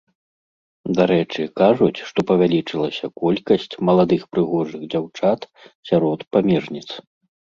Дарэчы, кажуць, што павялічылася колькасць маладых прыгожых дзяўчат сярод памежніц.